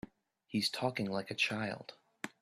He's talking like a child.